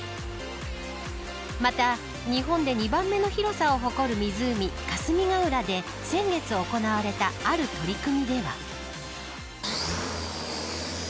また日本で２番目の広さを誇る湖霞ヶ浦で先月行われたある取り組みでは。